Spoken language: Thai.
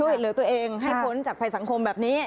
ช่วยเหลือตัวเองให้พ้นจากภัยสังคมแบบนี้